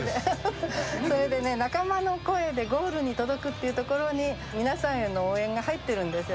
それでね「仲間の声でゴールに届く」っていうところに皆さんへの応援が入ってるんですよね。